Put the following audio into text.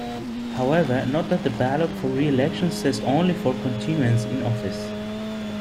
However, note that the ballot for re-election says only 'for continuance in office'.